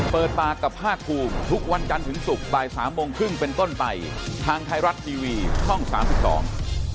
เปิดปากกับภาคภูมิทุกวันจันทร์ถึงศุกร์บ่ายสามโมงครึ่งเป็นต้นไปทางไทยรัฐทีวีช่องสามสิบสอง